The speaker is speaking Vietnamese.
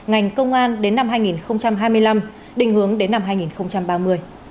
hội đồng thẩm định đề án đến năm hai nghìn hai mươi năm đình hướng đến năm hai nghìn ba mươi